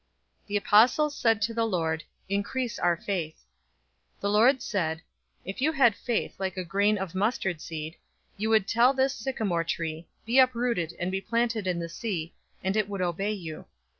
017:005 The apostles said to the Lord, "Increase our faith." 017:006 The Lord said, "If you had faith like a grain of mustard seed, you would tell this sycamore tree, 'Be uprooted, and be planted in the sea,' and it would obey you.